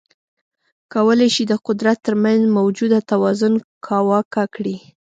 کولای شي د قدرت ترمنځ موجوده توازن کاواکه کړي.